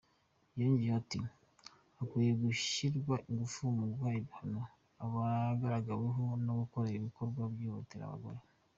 Yongeyeho ati : “Hakwiye gushyirwa ingufu mu guha ibihano abagaragaweho no gukora ibikorwa bihohotera abagore.